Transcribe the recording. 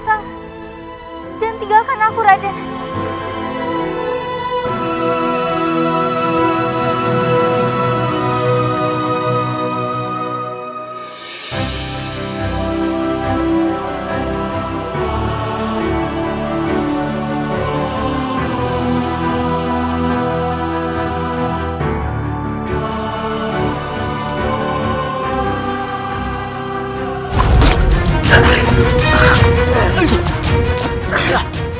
kamu memerlukan suat reconnection